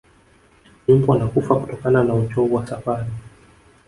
nyumbu wanakufa kutokana na uchovu wa safari